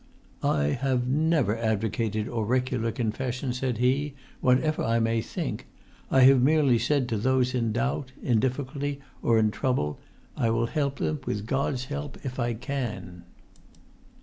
"I have never advocated auricular confession," said he, "whatever I may think. I have merely said, to those in doubt, in difficulty, or in trouble, I will help them with God's help if I can."